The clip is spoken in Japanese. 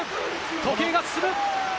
時計が進む。